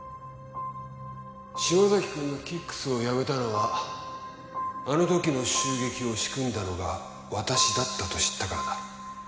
島崎くんがＫＩＣＫＳを辞めたのはあの時の襲撃を仕組んだのが私だったと知ったからだ。